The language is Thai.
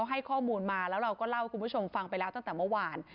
ให้ข้อมูลมาแล้วเราก็เล่าให้คุณผู้ชมฟังไปแล้วตั้งแต่เมื่อวาน